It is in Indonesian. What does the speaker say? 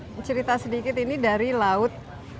bisa cerita sedikit ini dari laut